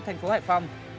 thành phố hải phòng